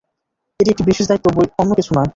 এটি একটি বিশেষ দায়িত্ব বৈ অন্য কিছু নয়।